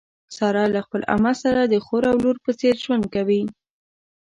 ساره له خپلې عمه سره د خور او لور په څېر ژوند کوي.